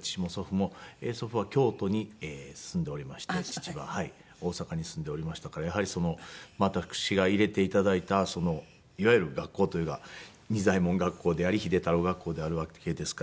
祖父は京都に住んでおりまして父は大阪に住んでおりましたからやはり私が入れて頂いたいわゆる学校というのは仁左衛門学校であり秀太郎学校であるわけですから。